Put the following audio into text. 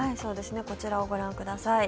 こちらをご覧ください。